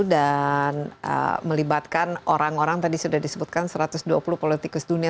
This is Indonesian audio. dan melibatkan orang orang tadi sudah disebutkan satu ratus dua puluh politikus dunia